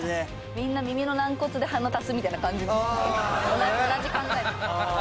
みんな耳の軟骨で鼻足すみたいな感じ同じ考えあ